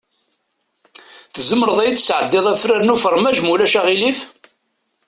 Tzemreḍ ad yi-d-tesɛeddiḍ afrar n ufermaj, ma ulac aɣilif?